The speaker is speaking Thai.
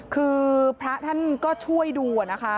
คือพระท่านก็ช่วยดูนะคะ